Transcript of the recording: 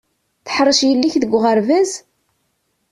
Teḥṛec yelli-k deg uɣerbaz?